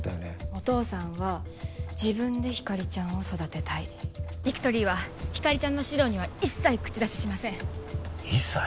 お父さんは自分でひかりちゃんを育てたいビクトリーはひかりちゃんの指導には一切口出ししません一切？